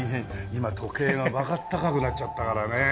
今時計がバカ高くなっちゃったからね。